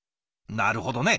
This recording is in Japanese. なるほどね。